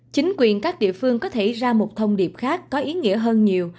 chính quyền các địa phương có thể ra một thông điệp khác có ý nghĩa hơn nhiều